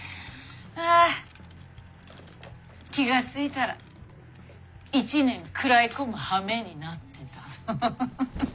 気が付いたら１年食らい込むはめになってた。